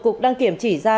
cục đăng kiểm chỉ ra